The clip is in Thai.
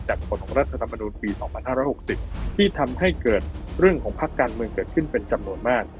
ผลของรัฐธรรมนุนปี๒๕๖๐ที่ทำให้เกิดเรื่องของภาคการเมืองเกิดขึ้นเป็นจำนวนมาก